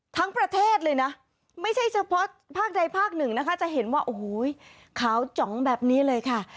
ทั้งประเทศเลยนะไม่ใช่เฉพาะภาคใดภาคหนึ่งนะคะจะเห็นว่าโอ้โหขาวจ๋องแบบนี้เลยค่ะ